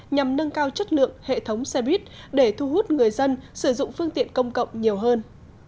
nhằm nâng cao chất lượng hệ thống xe buýt để thu hút người dân sử dụng phương tiện công cộng nhiều hơn